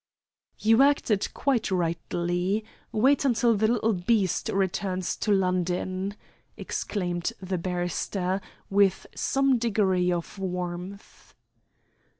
"You acted quite rightly. Wait until the little beast returns to London!" exclaimed the barrister, with some degree of warmth.